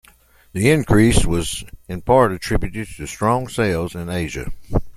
The increase was in part attributed to strong sales in Asia.